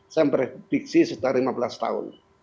saya memprediksi sudah lima belas tahun